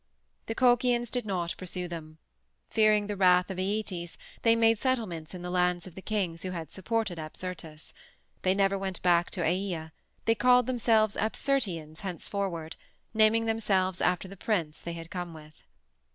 The Colchians did not pursue them. Fearing the wrath of Æetes they made settlements in the lands of the kings who had supported A Apsyrtus; they never went back to Aea; they called themselves Apsyrtians henceforward, naming themselves after the prince they had come with.